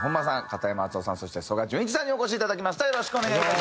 片山敦夫さんそして曽我淳一さんにお越しいただきました。